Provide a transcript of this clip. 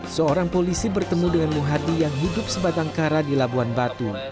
seorang polisi bertemu dengan muhardi yang hidup sebatang kara di labuan batu